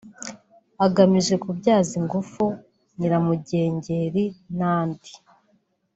agamije kubyaza ingufu nyiramugengeri n’andi